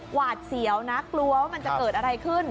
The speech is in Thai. หวาดเสียวนะกลัวว่ามันจะเกิดอะไรขึ้น